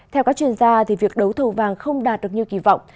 theo các chuyên gia việc đấu thầu vàng không đạt được như kỳ vọng